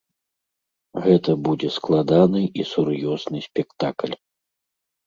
Гэта будзе складаны і сур'ёзны спектакль.